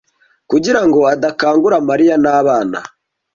kugira ngo adakangura Mariya n'abana.